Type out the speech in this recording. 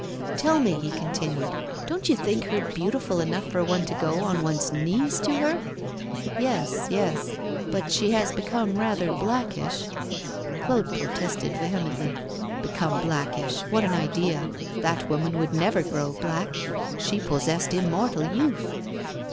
'Tell me,' he continued, 'don't you think her beautiful enough for one to go on one's knees to her?' 'Yes, yes. But she has become rather blackish ' Claude protested vehemently. Become blackish, what an idea! That woman would never grow black; she possessed immortal youth!